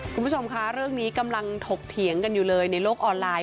คุณผู้ชมคะเรื่องนี้กำลังถกเถียงกันอยู่เลยในโลกออนไลน์